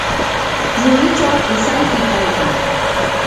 rurichaw qusayki kaykan.